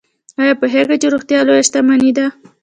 ایا پوهیږئ چې روغتیا لویه شتمني ده؟